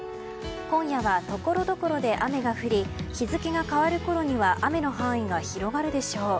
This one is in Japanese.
今夜はところどころで雨が降り日付が変わるころには雨の範囲が広がるでしょう。